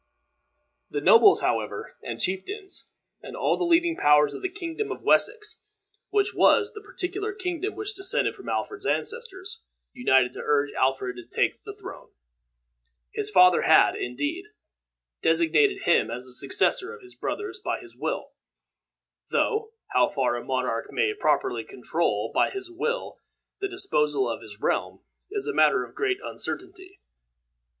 The nobles, however, and chieftains, and all the leading powers of the kingdom of Wessex, which was the particular kingdom which descended from Alfred's ancestors, united to urge Alfred to take the throne. His father had, indeed, designated him as the successor of his brothers by his will, though how far a monarch may properly control by his will the disposal of his realm, is a matter of great uncertainty.